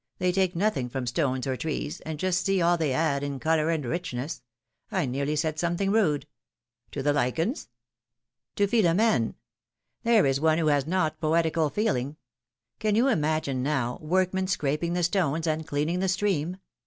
They take nothing from stones or trees, and just see all they add in color and richness ! I nearly said something rude ! To the lichens ^'To Philom^ne! There is one who has not poetical feeling! Can you imagine, now, workmen scraping the stones and cleaning the stream